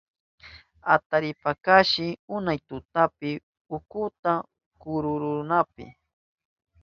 Ataripayarkashi unay tutapi utkunta kururunanpa.